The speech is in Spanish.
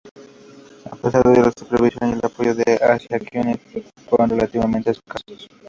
A pesar de ello, la supervisión y el apoyo hacia Kennedy fueron relativamente escasos.